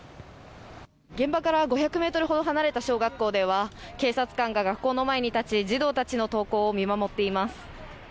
現場から５００メートルほど離れた小学校では警察官が学校の前に立ち児童たちの登校を見守っています